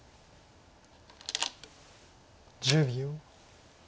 １０秒。